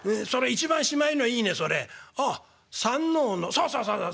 「そうそうそうそう。